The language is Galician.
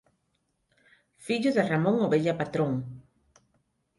Fillo de Ramón Obella Patrón.